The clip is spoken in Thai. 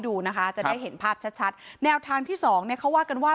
ดูนะคะจะได้เห็นภาพชัดชัดแนวทางที่สองเนี่ยเขาว่ากันว่า